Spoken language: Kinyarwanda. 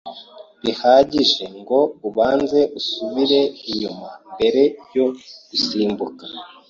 bihagije ngo ubanze usubire inyuma mbere yo gusimbuka.